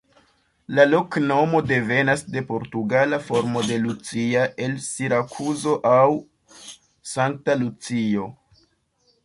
La loknomo devenas de portugala formo de Lucia el Sirakuzo aŭ "Sankta Lucio".